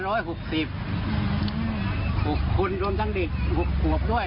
แล้วเขามาส่งที่ไหนครับ